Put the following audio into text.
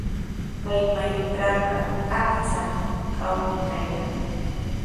Kay mayutrawqa achka aqumi kan.